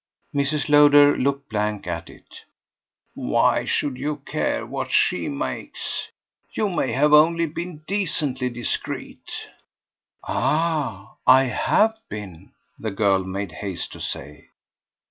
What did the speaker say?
Mrs. Lowder looked blank at it. "Why should you care what she makes? You may have only been decently discreet." "Ah I HAVE been," the girl made haste to say.